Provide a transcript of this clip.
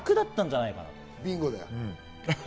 ビンゴだよ。